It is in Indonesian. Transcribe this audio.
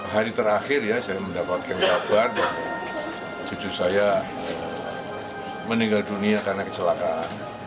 hari terakhir ya saya mendapatkan kabar bahwa cucu saya meninggal dunia karena kecelakaan